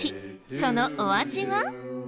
そのお味は？